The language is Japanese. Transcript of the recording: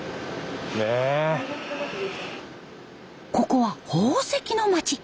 ここは宝石の街。